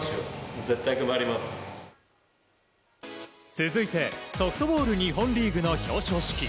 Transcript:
続いて、ソフトボール日本リーグの表彰式。